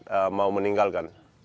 demi sedikit mau meninggalkan